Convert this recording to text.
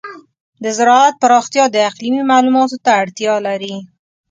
د زراعت پراختیا د اقلیمي معلوماتو ته اړتیا لري.